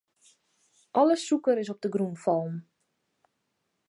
Alle sûker is op de grûn fallen.